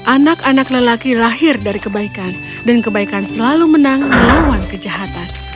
anak anak lelaki lahir dari kebaikan dan kebaikan selalu menang melawan kejahatan